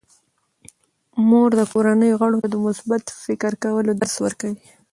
مور د کورنۍ غړو ته د مثبت فکر کولو درس ورکوي.